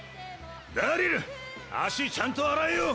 ダリル足ちゃんと洗えよ。